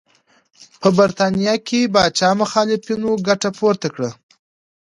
په برېټانیا کې پاچا مخالفینو ګټه پورته کړه.